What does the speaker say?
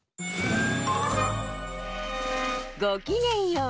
ごきげんよう。